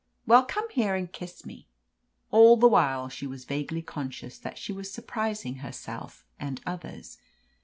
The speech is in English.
"Well, come here and kiss me." All the while she was vaguely conscious that she was surprising herself and others.